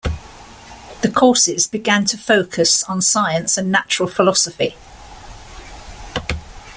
The courses began to focus on science and natural philosophy.